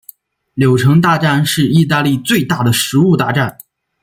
柳橙大战是义大利最大的食物大战。